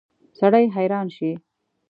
سړی حیران شي.